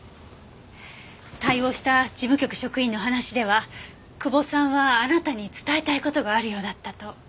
対応した事務局職員の話では久保さんはあなたに伝えたい事があるようだったと。